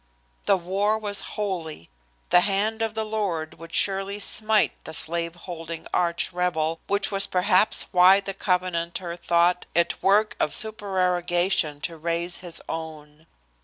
The war was holy. The hand of the Lord would surely smite the slave holding arch rebel, which was perhaps why the Covenanter thought it work of supererogation to raise his own.